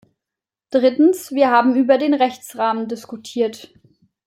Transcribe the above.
Drittens, wir haben über den Rechtsrahmen diskutiert.